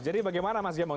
jadi bagaimana mas gembng